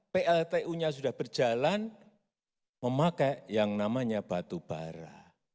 pltu nya sudah berjalan memakai yang namanya batu bara